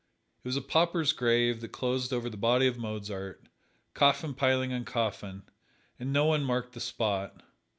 It was a pauper's grave that closed over the body of Mozart coffin piled on coffin, and no one marked the spot.